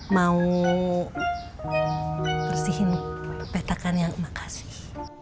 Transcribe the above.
mau bersihin petakan yang mak kasih